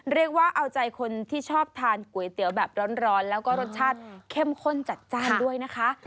เรียกว่าเอาใจคนที่ชอบทานก๋วยเตี๋ยวแบบร้อนแล้วก็รสชาติเข้มข้นจัดจ้านด้วยนะคะ